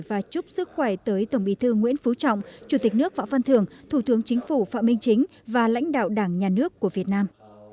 và chúc sức khỏe tới tổng bí thư nguyễn phú trọng chủ tịch nước võ văn thường thủ tướng chính phủ phạm minh chính và lãnh đạo đảng nhà nước của việt nam